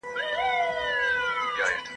مشر ورور ویل دا هیڅ نه سي کېدلای ..